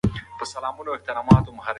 وزیر اکبر خان د کابل د خلکو لارښوونې ومنلې.